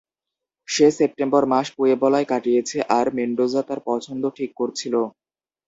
সে September মাস পুয়েবলায় কাটিয়েছে, আর মেন্ডোজা তার পছন্দ ঠিক করছিল।